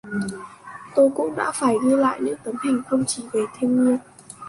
Tôi cũng đã phải ghi lại những tấm hình không chỉ về thiên nhiên